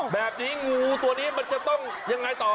งูตัวนี้มันจะต้องยังไงต่อ